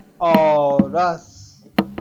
آراس